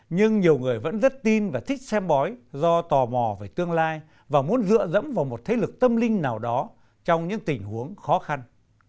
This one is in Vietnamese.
nhưng nhiều người vẫn rất tin và thích xem bói do tò mò về tương lai và muốn dựa dẫm vào một thế lực tâm linh nào đó trong những tình huống khó khăn